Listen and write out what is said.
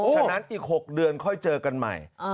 ฉะนั้นอีก๖เดือนค่อยเจอกันใหม่